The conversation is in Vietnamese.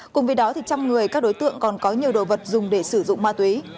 cùng vì đó trong người các đối tượng còn có nhiều đồ vật dùng để sử dụng ma túy